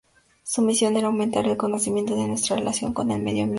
Su misión era "aumentar el conocimiento de nuestra relación con el medio ambiente".